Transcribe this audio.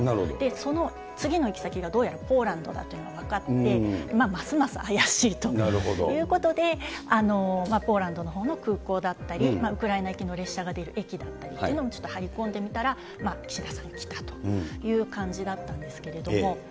その次の行き先がどうやらポーランドだというのが分かって、ますます怪しいということで、ポーランドのほうの空港だったり、ウクライナ行きの列車が出る駅だったりっていうのもちょっと張り込んでみたら、岸田総理が来たという感じだったんですけれども。